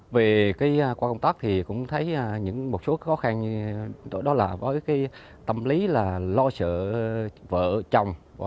về qua công tác thì cũng thấy những một số khó khăn như đó là với cái tâm lý là lo sợ vợ chồng